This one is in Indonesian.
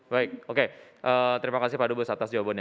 baik oke terima kasih pak duh bu atas jawabannya